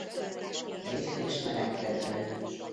Mész- és melegkedvelő.